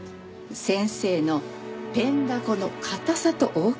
先生のペンだこの硬さと大きさです。